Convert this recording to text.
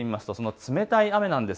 冷たい雨です。